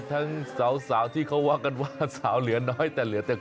วันเกิดเอานับถอยหลัง